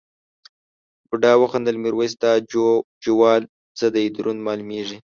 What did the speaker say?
بوډا وخندل میرويس دا جوال څه دی دروند مالومېږي.